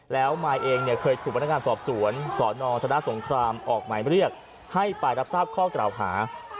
แล้วมายเองเนี่ยเคยถูกพนักงานสอบสวนสนธนสงครามออกหมายเรียกให้ไปรับทราบข้อกล่าวหา